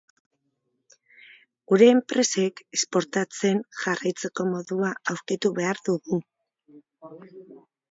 Gure enpresek esportatzen jarraitzeko modua aurkitu behar dugu.